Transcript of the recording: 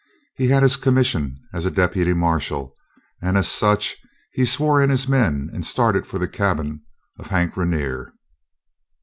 He had his commission as a deputy marshal, and as such he swore in his men and started for the cabin of Hank Rainer.